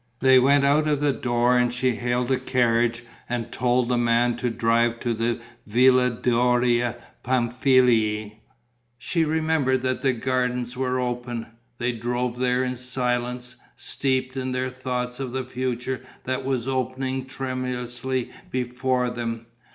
They went out of the door and she hailed a carriage and told the man to drive to the Villa Doria Pamphili. She remembered that the gardens were open. They drove there in silence, steeped in their thoughts of the future that was opening tremulously before them.